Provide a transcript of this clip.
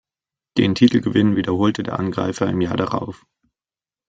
Den Titelgewinn wiederholte der Angreifer im Jahr darauf.